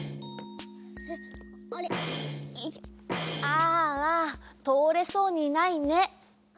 ああとおれそうにないね。